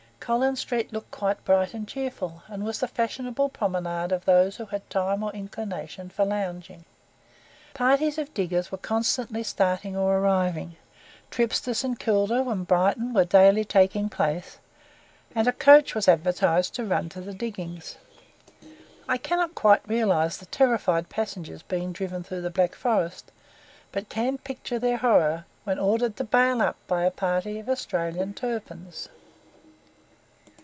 Collins Street looked quite bright and cheerful, and was the fashionable promenade of those who had time or inclination for lounging. Parties of diggers were constantly starting or arriving, trips to St. Kilda and Brighton were daily taking place; and a coach was advertised to run to the diggings! I cannot quite realize the terrified passengers being driven through the Black Forest, but can picture their horror when ordered to "bail up" by a party of Australian Turpins.